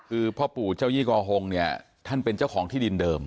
คือพ่อปู่เจ้ายี่กอฮงเนี่ยท่านเป็นเจ้าของที่ดินเดิม